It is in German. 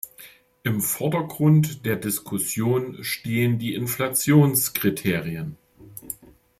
Im Vordergrund der Diskussion stehen die Inflationskriterien.